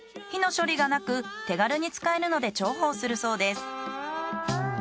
火の処理がなく手軽に使えるので重宝するそうです。